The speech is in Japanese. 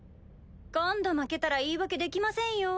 今度負けたら言い訳できませんよ。